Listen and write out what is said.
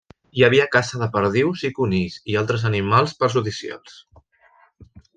Hi havia caça de perdius i conills, i altres animals perjudicials.